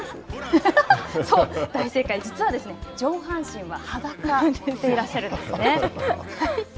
実は上半身は裸でいらっしゃるんですね。